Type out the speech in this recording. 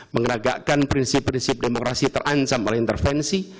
meneragakkan prinsip prinsip demokrasi terancam oleh intervensi